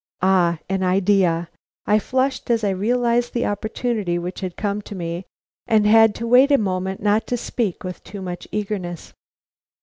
Ah, an idea! I flushed as I realized the opportunity which had come to me and had to wait a moment not to speak with too much eagerness.